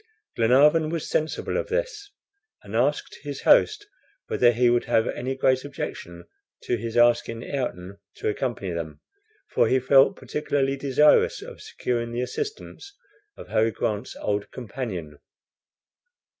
Glenarvan was sensible of this, and asked his host whether he would have any great objection to his asking Ayrton to accompany them, for he felt particularly desirous of securing the assistance of Harry Grant's old companion.